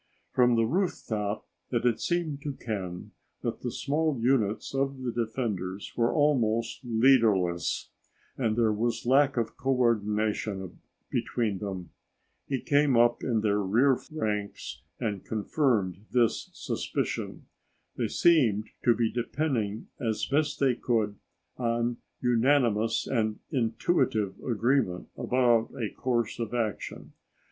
From the rooftop, it had seemed to Ken that the small units of the defenders were almost leaderless, and there was lack of co ordination between them. He came up in their rear ranks and confirmed this suspicion. They seemed to be depending as best they could on unanimous and intuitive agreement about a course of action.